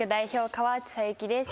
河内桜雪です。